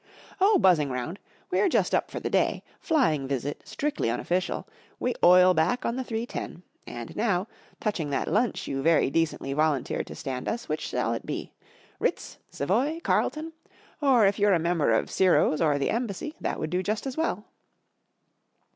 " Oh, buzzing round. We're just up for the day. Flying visit, strictly unofficial. We oil back on the three ten. And now, touching that lunch you very decently volunteered 1o stand us, which shall it be ? Ritz ? Savoy ? Carlton ? Or, if you're a member of Ciro's or the Embassy, that would do just as w ell."